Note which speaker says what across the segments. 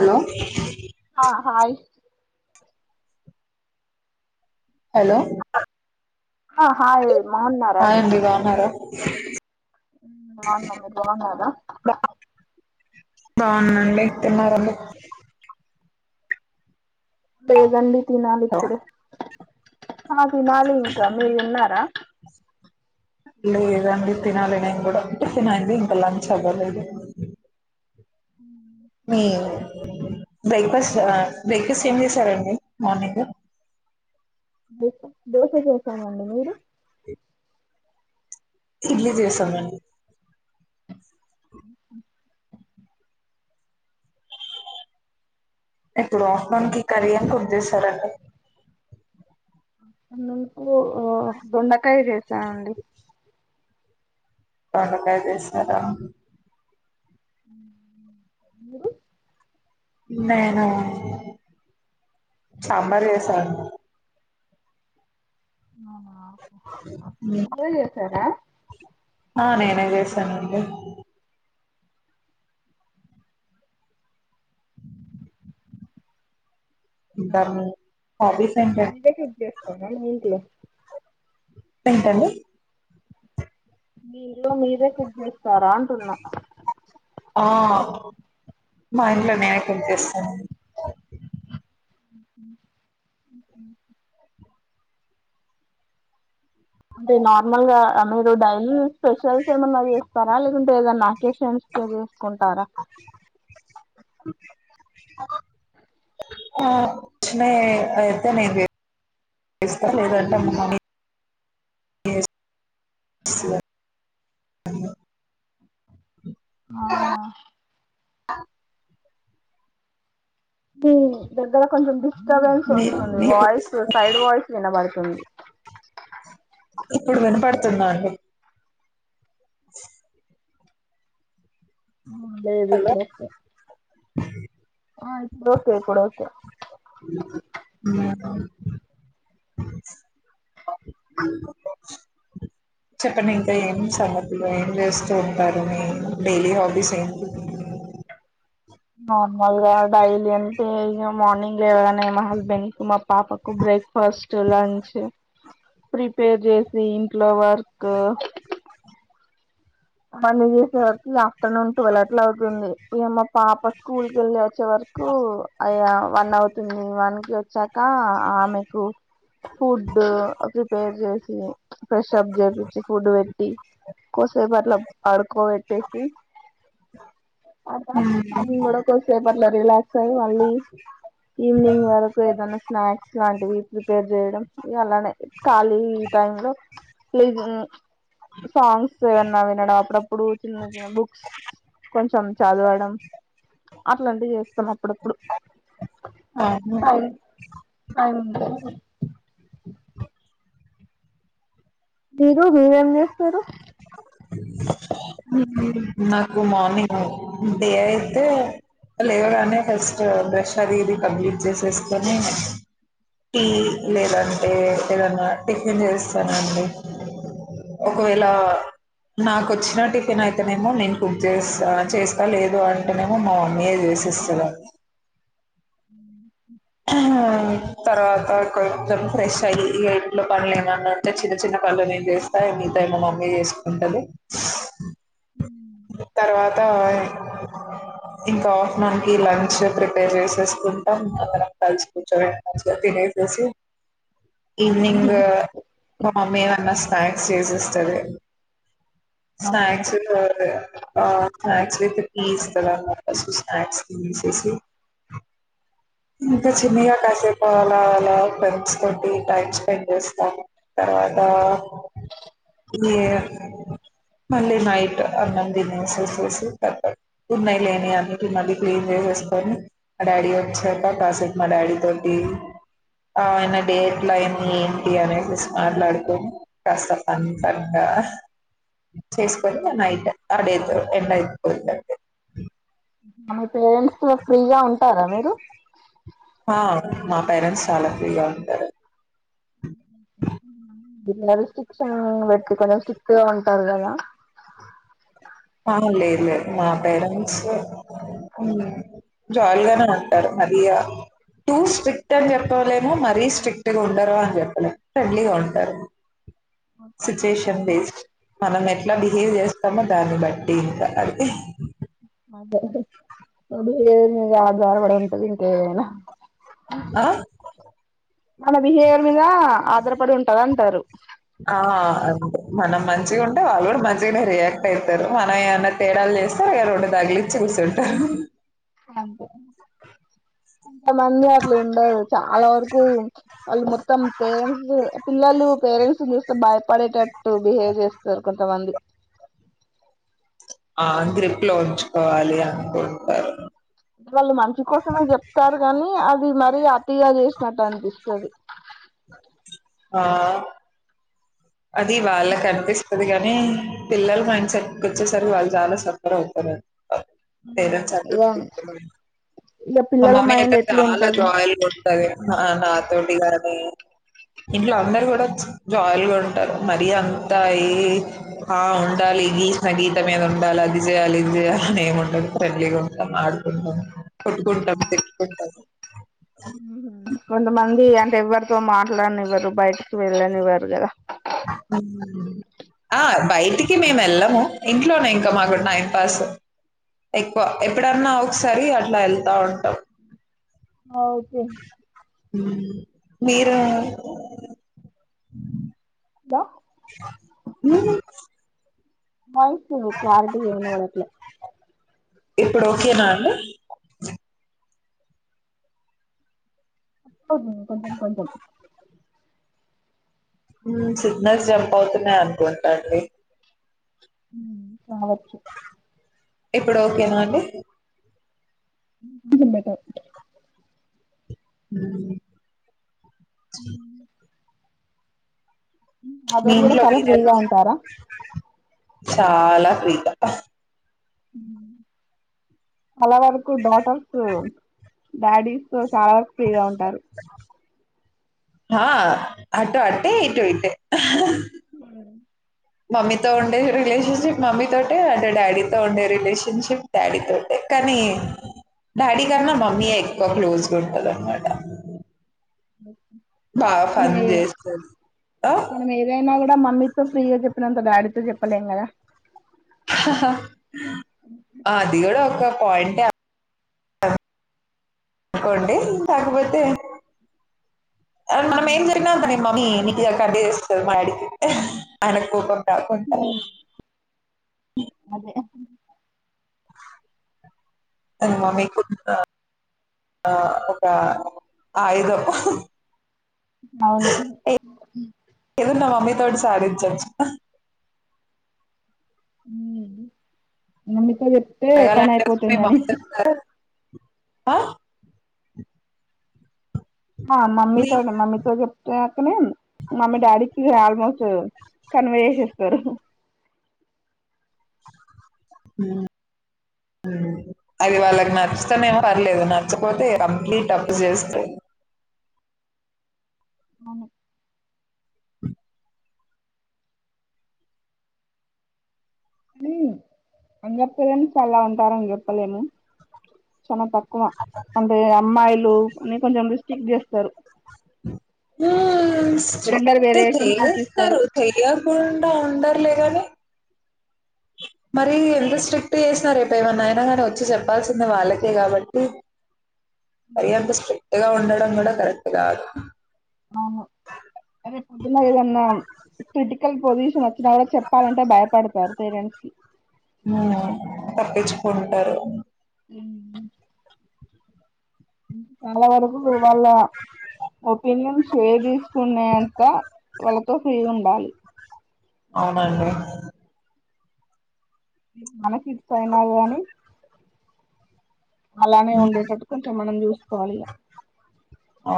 Speaker 1: Hello
Speaker 2: ఆ hi
Speaker 1: hello
Speaker 2: ఆ hi మాగున్నారా అండి
Speaker 1: అ
Speaker 2: బన్నా మీరు బాగున్నారా
Speaker 1: బావుందండి తిన్నారండి
Speaker 2: లేదండి తినాలు
Speaker 1: హలో
Speaker 2: ఇప్పుడు అ తినాలి ఇంకా మీరు తిన్నారా
Speaker 1: లేదండి తినాలి నేను కూడా టిఫిన్ అయింది ఇంకా లంచ్ అవ్వలేదు
Speaker 2: ఉ
Speaker 1: మీ బ్రేక్ఫాస్ట్ బ్రేక్ఫాస్ట్ ఏం చేశారంండి మార్నింగ్
Speaker 2: ద దోశ చేసామండి మీరు
Speaker 1: ఇడ్లీ చేసా అండి ఇప్పుడు మనకి కర్రీ ఏం కుక్ క చేేశారండి
Speaker 2: అందుూ ఆ దొండ కై చేశా అండి
Speaker 1: దొండకాదేశార
Speaker 2: మీరు
Speaker 1: నేనా సాంబారు చేసాను
Speaker 2: అవునా మీరే చేసారా
Speaker 1: ఆ నేనే చేశానండి డర్ము
Speaker 2: [inaudible] [inaudible]
Speaker 1: ఏంటండి
Speaker 2: మీర ఇల్లో మీరే కుక్ చేస్తారా అంటున్నా
Speaker 1: ఆ మా ఇంట్లో నేనే కుక్ చేస్తాను
Speaker 2: అంటే నార్మల్గా మీరు డైలీ స్పెషల్స్ ఏమన్నా చే స్తారా లేకుంటే ఏదన్నా టేషన్ కే చేసుకుంటారా
Speaker 1: ఆ వచ్చినయి అయితే నేనుచే [inaudible] స్తా లేదంటే మా మమ్మి అ
Speaker 2: అవునా
Speaker 1: ఆ
Speaker 2: దగ్గర కొంచెం డిస్టర్బెన్స్
Speaker 1: మీ
Speaker 2: వస్తుంది
Speaker 1: మీకు
Speaker 2: వాయిస్ సైడ్ వాయిస్ వినబడుతుంది
Speaker 1: ఇప్పుడు వినపడుతుందా అండి
Speaker 2: ఉమ్ లేదిప్పుడే
Speaker 1: అ
Speaker 2: ఆ ఇప్పుడు ఓకే ఇప్పుడు ఓకే
Speaker 1: చెప్పండి ఇంకా ఏం సంగతులు ఏం చేస్తూ ఉంటారు మీ డైలీ హాబీస్ ఏంటి
Speaker 2: నార్మల్గా డైలీ అంటే ఇగ మార్నింగ్ లేవగన్ నే హస్బెండ్ కు మా పాపకు breakfast lunch prepare చేసి ఇంట్లో వ ఉ క్కు పని చేసే వరకి ఆఫ్టర్నూన్ టువల్ అట్లా అవుతుంది ఇయమ పాప స్కూల్ కెళ్ళి వచ్చే వరకు అయ వన్ అవుతుంది వన్ కి వచ్చా కి ఆమెకు ఫుడ్ ప్రిపేర్ చేసి ఫ్రెషప్ చేపిచ్చి ఫుడ్ పెట్టి కోసేపట్ [inaudible] పడుకోట్టేసి నేను కూడా కొసేపు పర్లే రిలా సారి, మళ్ళీ ఈవినింగ్ వరకు ఏదనా స్నాక్స్లాంటివి ప్రిపేర్ చేయడం. ఇగ అలానే ఖాళీ టైంలో ప్లీజ్ సాంగ్స్ ఏమన్నా, వి [unintelligible] అప్పుడప్పుడు చిన్న చిన్న బుక్స్
Speaker 1: అవును
Speaker 2: [inaudible] [unintelligible] ఊగు ఏం చేస్తారు
Speaker 1: నాకు మార్నింగ్ డే అయితే, లేవగానే ఫస్ట్ బ్రష్ అది, ఇది కంప్లీట్ చేసేసుకొని. టీ లేదంటే ఏదన్నా టిఫిన్ చేస్తానండి ఒకవేళ నాకొచ్చిన టిఫిన్ అయితేనేమో నేను కుక్ చేస చేస్తా, లేదు అంటేనేమో మా మమ్మీయే చేసేస్తది. అ ఆ తర్వాత కొంచెం ఫ్రెష్ అయ్యి, ఇంట్లో పనులేమన్నా ఉంటే చిన్న, చిన్న పనులు నేను చేస్తా. మిగతాయి మా మమ్మీ చేసుకుంటది. తర్వాత ఇంకా ఆఫ్నూన్ కి లంచ్ ప్రిపేర్ చేసేసుకుంటాం, అందరం కలిసి కూర్చోని మంచిగా తినేసేసి.
Speaker 2: మీ
Speaker 1: ఈవినింగ్ మా మమ్మీ ఏమన్నా స్నాక్ సే సిస్టర్ స్నాక్స్ [inaudible] ఆ స్నాక్స్ విత్ టీ ఇస్తన్నాను ఫస్ట్ స్నాక్స్ తినేసేసి ఇంకా చిన్నయ్య కాసే ప పల ఫ్రెండ్స్ తోటి టైమ్ స్పెండ్ చేస్తాం, తర్వాత ఈ. మండే నైట్ దినేసేసేసి కతం ఉన్నాయి, లేనియి అన్నిటి మళ్ళీ క్లీన్ చేసేసుకొని. మా డాడీ వచ్చాక కాసేపు మా డాడీ తోటి, ఆయన డేట్లు ఆయన్ని ఎమీ ఈ అనేసేసి మాట్లాడుకోని కాస్త ఫన్ ఫన్ గా చేసుకొని మా నై డే తో ఎండ్ అయి పో త ది.
Speaker 2: మ [unintelligible] పేరెంట్స్ తో ఫ్రీగా ఉంటారా మీరు
Speaker 1: హ మా పేరెంట్స్ చాలా ఫ్రీగా ఉంటారు.
Speaker 2: [inaudible] ఇలా రిస్ట్రిక్షన్ బెట్టి కొందరు స్ట్రిక్ట్ గా ఉంటారు. గదా?
Speaker 1: ఆ లేదులేదు మా పేరెంట్స్ జాలిగానే ఉంటారు. మరి య టూ స్ట్రిక్ట్ అని చెప్పలేము, మరీ స్ట్రిక్ట్ గా ఉండరు అని చెప్పలేము, ఫ్రెండ్లీగా ఉంటారు. సిచ్యుయేషన్ బేస్డ్ మనం ఎట్లా బిహేవ్ చేస్తామో దాన్నిబట్ దీనికా అండి
Speaker 2: అదే అ ఆ ద్వార బడ ఉంటది ఇంకేడైనా
Speaker 1: ఆ
Speaker 2: మన బిహేవయర్ మీద అదర పడి ఉంటది అంటారు
Speaker 1: ఆ మనం మంచిగా ఉంటే వాళ్ళు కూడా మంచిగానే రియాక్ట్ అయితరు మనం ఏమన్నా తేడాలు జేస్తే అ రెండు తగిలిచ్చి కుసబెడుతరు
Speaker 2: అంతే అంతమంది అట్లు ఉండదు చాలా వరకు వాళ్ళు మొత్తం పేరెంట్స్ పిల్లలు పేరెంట్స్ చూస్తే బాయ్ పడేటట్టు బిహేవ్ జేస్తరు కొంతమంది
Speaker 1: ఆ గ్రిప్ లో ఉంచుకోవాలి అ
Speaker 2: వాళ్ళు మంచి కోసమే జెప్తారు గాని అది మరి అతీగా చేసినట్టు అనిపిస్తది
Speaker 1: ఆ అది వాళ్ళ కనిపిస్త్ స్తది కాని పిల్లలు మైండ్ సెట్ వచ్చేసరి వాళ్ళు చాలా సఫర్ అవుతారు పేరెంట్స్
Speaker 2: ఇగ
Speaker 1: అందుకే స్ట్రిక్ట్ గా ఉంటారు
Speaker 2: ఇగ
Speaker 1: మా
Speaker 2: పిల్లల
Speaker 1: మమ్మీ
Speaker 2: మైండ్
Speaker 1: అయితే
Speaker 2: ఎట్లా
Speaker 1: చాలా
Speaker 2: ఉంటది
Speaker 1: జాయిల్గా ఉంటది ఆ నాతోటి గాని ఇంట్లో అందరు గూడ జాయిల్గ ఉం మరి అంతా ఈ ఆ ఉండాలి గీసిన గీత మీద ఉండాలి అది జేయాలి ఇది జేయాలని ఏమిఉండదు ఫ్రెండ్లీగా ఉంటాం ఆడుకుంటాం కొట్టుకుంటాం తిట్టుకుంటాం
Speaker 2: కొంతమంది అంటే ఎవ్వరితో మాట్లాడినివ్వరు బయటికి వెళ్ళనివ్వరు గదా
Speaker 1: ఆ బయటికి మేము వెళ్ళము ఇంట్లోనే ఇంకా మాకు టైం పాస్ ఎక్కువ ఎప్పుడన్నా ఒకసారి అట్లా వెళ్తా ఉంటాం
Speaker 2: ఆ ఒకే
Speaker 1: మీరు
Speaker 2: దా
Speaker 1: [inaudible]
Speaker 2: వాయిస్ నీది క్లారిటీగ వినపడట్లే
Speaker 1: ఇప్పుడు ఒకేనా అండి
Speaker 2: అ కొంచెం కొంచెం
Speaker 1: సిగ్నల్స్ జంప్ అవుతున్నాయ అనుకుంటాండి
Speaker 2: ఊ కావచ్చు
Speaker 1: ఇప్పుడు ఒకేనాండి
Speaker 2: బెటర్
Speaker 1: [inaudible] [inaudible] మీ
Speaker 2: మదరు గూడ
Speaker 1: ఇంట్లో
Speaker 2: చాలా
Speaker 1: మీర
Speaker 2: ఫ్రీగా ఉంటారా
Speaker 1: చాలా ఫ్రీగా
Speaker 2: మ్ చాలా వరకు డాటర్స్ దాడి సర్ చాలా వరకు ఫ్రీగా ఉంటారు
Speaker 1: హా అటూ అటే ఇటు ఇటే
Speaker 2: [inaudible]
Speaker 1: మమ్మీతో ఉండే రిలేషన్షిప్ మమ్మీ తోటే అంటే డాడీతో ఉండే రిలేషన్షిప్ డాడీ తోటే కానీ డాడి కన్నా మమ్మీ ఏ ఎక్కవగా క్లోజ్ గా ఉంటంది అనమాట
Speaker 2: [inaudible]
Speaker 1: బాగా
Speaker 2: మనం
Speaker 1: ఫన్
Speaker 2: ఏ
Speaker 1: చేస్తది ఆ
Speaker 2: మనం ఏదైనా మమ్మీతో ఫ్రీ గా చెప్పినంత డాడీతో చెప్పలేం కదా
Speaker 1: ఆ అదికూడా ఒక పాయింట్ అనుకోండి కాకపోతే అ మనం ఏం జరిగిన కానీ మమ్మీ ఇక కట్ చేస్తాడు ఆడికి ఆయన కోపం కా కొంత
Speaker 2: అదే
Speaker 1: అ మమ్మీ కు ఆ ఒక ఐదు
Speaker 2: అవును
Speaker 1: తోడు సారి చచ్చ
Speaker 2: హుమ్ నమ్మితే పని అయిపోతుందని
Speaker 1: అ
Speaker 2: ఆ
Speaker 1: నీ
Speaker 2: మమ్మీతోనే మమ్మీతో చెప్పినకనే మమ్మీ డాడీకి ఆల్మోస్ట్ కన్వే చేసేస్తారు
Speaker 1: అది వాళ్ళకి నచ్చుతేనే ఏం పర్లేదు నచ్చపోతే కంప్లీట్ అప్పు చేస్తే
Speaker 2: అందరి పేరెంట్స్ అలా ఉంటారు అని చెప్పలేము చాలా తక్కువ అంటే అమ్మాయిలు న కొంచెం థింక్ చేస్తరు
Speaker 1: [inaudible]
Speaker 2: జెండర్
Speaker 1: స్ట్రిక్ట్
Speaker 2: వేరియేషన్స్ చూపిస్తారు
Speaker 1: చేస్తరు చేయకుండా ఉండరు లేగనే మరి ఎంత స్ట్రిక్ట్ చేసిన రేపు ఏమన్నా అయినా కానీ వచ్చి చెప్పాల్సిందే వాళ్ళకే కాబట్టి మరి అంత స్ట్రిక్ట్గా ఉండడం కూడా కరెక్ట్ కాదు
Speaker 2: రేపు పొద్దున్న ఏదన్నా క్రిటికల్ పొజిషన్ వచ్చినా కూడా చెప్పాలంటే భయపడతారు పేరెంట్స్ కి
Speaker 1: హ్మ్ తప్పించుకుంటారు
Speaker 2: [inaudible] [inaudible] చాలా వరకు వాళ్ళ ఒపీనియన్ షేర్ చేసుకునే అంత వాళ్ళతో ఫ్రీ ఉండాలి
Speaker 1: అవునండి
Speaker 2: మనకి ఇ పైన ని అలానే ఉండేటట్టు కొంచెం మనం చూసుకోవాలి ఇ
Speaker 1: ఆ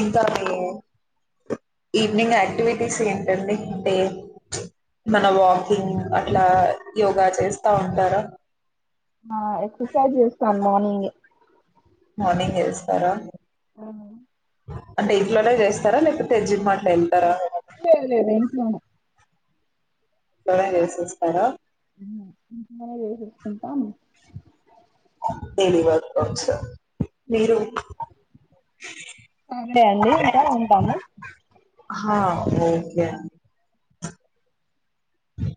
Speaker 1: ఇంకా ఈవినింగ్ యాక్టివిటీస్ ఏంటండి అంటే మన వాకింగ్ అట్లా యోగా చేస్తా ఉంటారా
Speaker 2: ఆ ఎక్సర్సైజ్ చేస్తాం మార్నింగ్
Speaker 1: మార్నింగ్ చేస్తారా
Speaker 2: ఆ
Speaker 1: అంటే ఇంట్లోనే చేస్తారా లేకపోతే జిమ్ అట్లా వెళ్తారా చడ చేసిస్తారా
Speaker 2: ఇంట్లోనే చేసేస్తుంటాం
Speaker 1: డైలీ వర్కౌట్ మీరు
Speaker 2: అంతే అండి ఇంకా ఉంటాము
Speaker 1: హా ఓకే అ